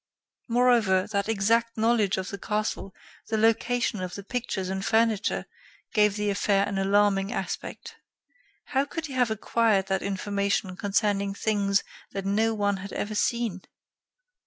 Moreover, that exact knowledge of the castle, the location of the pictures and furniture, gave the affair an alarming aspect. How could he have acquired that information concerning things that no one had ever seen?